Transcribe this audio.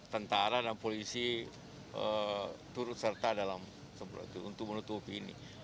tentara dan polisi turut serta untuk menutupi ini